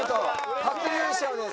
初優勝です。